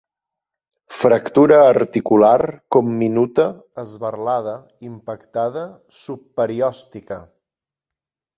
Fractura articular, comminuta, esberlada, impactada, subperiòstica.